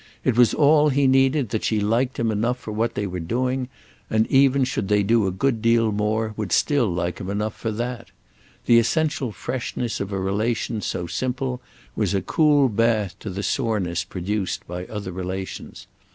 It was all he needed that she liked him enough for what they were doing, and even should they do a good deal more would still like him enough for that; the essential freshness of a relation so simple was a cool bath to the soreness produced by other relations.